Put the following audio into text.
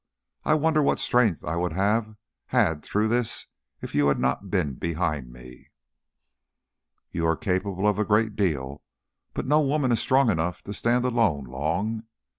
I wonder what strength I would have had through this if you had not been behind me." "You are capable of a great deal, but no woman is strong enough to stand alone long.